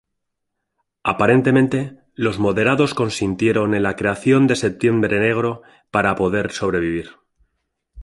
Aparentemente, los moderados consintieron en la creación de Septiembre Negro para poder sobrevivir.